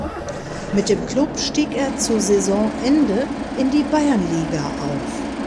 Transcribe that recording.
Mit dem Klub stieg er zu Saisonende in die Bayernliga auf.